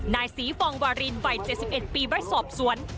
นายศรีฟองวารินวัยเจสสิบเอ็ดปีไว้สอบสวน